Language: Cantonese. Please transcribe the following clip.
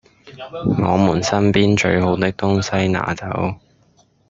我們身邊最好的東西拿走